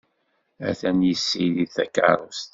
Atan yessirid takeṛṛust.